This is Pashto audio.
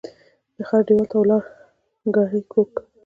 د خړ ديوال ته ولاړ ګړی کوږ کړ.